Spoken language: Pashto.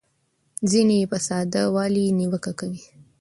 ځینې یې په ساده والي نیوکه کوي.